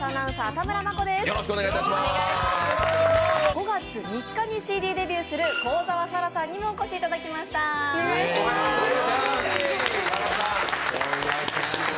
５月３日にＣＤデビューする幸澤沙良さんにもお越しいただきましたお願いします